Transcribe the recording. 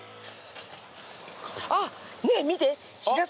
あっねえ見て。